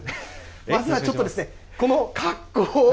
まずはちょっとこの格好。